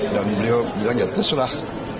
dan beliau bilang ya terserah